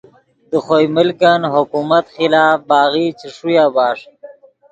دے خوئے ملکن حکومت خلاف باغی چے ݰویا بݰ